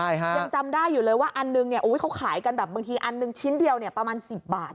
ยังจำได้อยู่เลยว่าอันนึงเนี่ยเขาขายกันแบบบางทีอันหนึ่งชิ้นเดียวเนี่ยประมาณ๑๐บาท